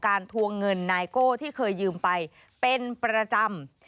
ทวงเงินนายโก้ที่เคยยืมไปเป็นประจำ